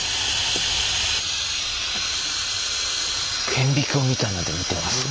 顕微鏡みたいなんで見てますね。